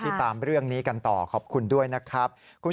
ตามเรื่องนี้กันต่อขอบคุณด้วยนะครับ